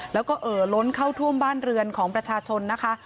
แล้วก็เอ่อล้นเข้าท่วมบ้านเรือนของประชาชนนะคะ